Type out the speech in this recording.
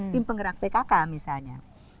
tim penggerak pkk misalnya